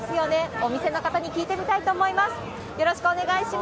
お店の方に聞いてみたいと思います。